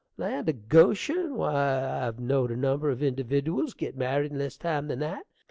land o' Goshen! why, I've know'd a number of individdiwals get married in less time than that.